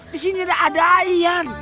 di sini ada adaian